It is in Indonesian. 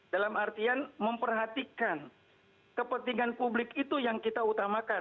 dalam artian memperhatikan kepentingan publik itu yang kita utamakan